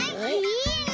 いいね！